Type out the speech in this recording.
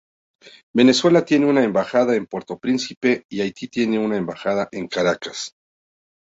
Venezuela tiene una embajada en Puerto Príncipe, y Haití tiene una embajada en Caracas.